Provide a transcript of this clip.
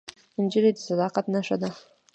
نجلۍ د صداقت نښه ده.